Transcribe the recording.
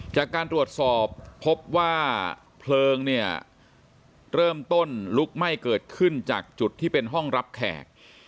จากการตรวจสอบพบว่าเพลิงเนี่ยเริ่มต้นลุกไหม้เกิดขึ้นจากจุดที่เป็นห้องรับแขก